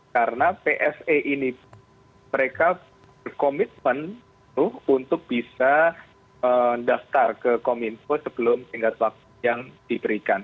karena pse ini mereka berkomitmen untuk bisa mendaftar ke kominfo sebelum tingkat waktu yang diberikan